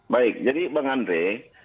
baik jadi bang andre